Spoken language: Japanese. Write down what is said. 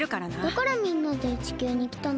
だからみんなで地球にきたのか。